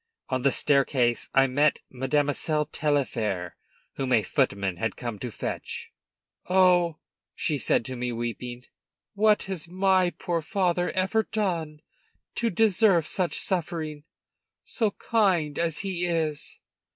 On the staircase I met Mademoiselle Taillefer, whom a footman had come to fetch. "Oh!" she said to me, weeping, "what has my poor father ever done to deserve such suffering? so kind as he is!"